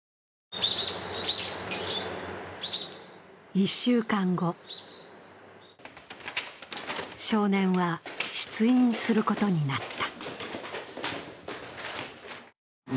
１週間後、少年は出院することになった。